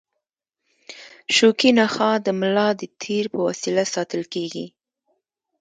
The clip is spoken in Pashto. شوکي نخاع د ملا د تیر په وسیله ساتل کېږي.